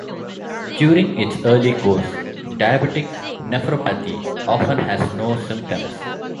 During its early course, diabetic nephropathy often has no symptoms.